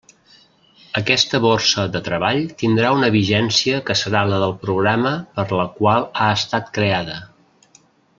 Aquesta borsa de treball tindrà una vigència que serà la del programa per la qual ha estat creada.